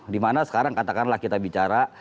dimana sekarang katakanlah kita bicara